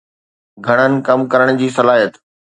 گھڻن ڪم ڪرڻ جي صلاحيت